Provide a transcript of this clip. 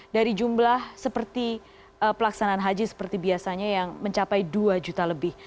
dari jumlah seperti pelaksanaan haji seperti biasanya yang mencapai dua juta lebih